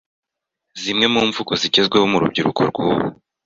Zimwe mu mvugo zigezweho mu rubyiruko rw’ubu